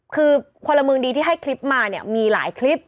คือพลเมืองดีที่ให้คลิปมาเนี่ยมีหลายคลิป